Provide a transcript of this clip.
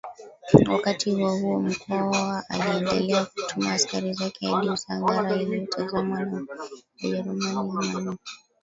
Wakati huohuo Mkwawa aliendelea kutuma askari zake hadi Usagara iliyotazamwa na Wajerumani kama eneo